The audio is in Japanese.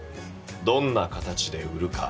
どんな形で売るか。